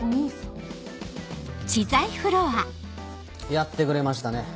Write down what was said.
やってくれましたね。